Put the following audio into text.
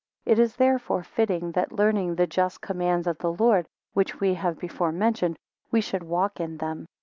7 It is therefore fitting that learning the just commands of the Lord, which we have before mentioned, we should walk in them.